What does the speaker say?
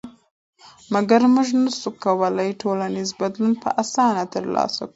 مګر موږ نشو کولی چې ټولنیز بدلون په اسانه تر لاسه کړو.